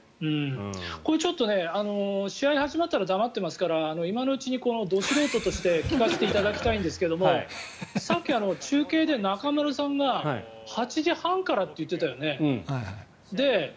これ、ちょっと試合始まったら黙っていますから今のうちにど素人として聞かせていただきたいんですがさっき中継で中丸さんが８時半からって言ってたよね？